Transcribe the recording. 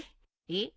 えっ？